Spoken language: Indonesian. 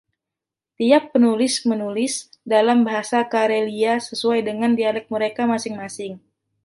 Tiap penulis menulis dalam bahasa Karelia sesuai dengan dialek mereka masing-masing.